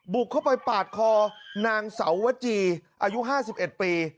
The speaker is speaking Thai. บุกเข้าไปปาดคอนางเสาวจีอายุห้าสิบเอ็ดปี